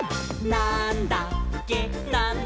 なんだっけ？！」